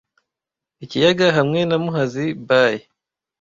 Ikiyaga, hamwe na Muhazi by!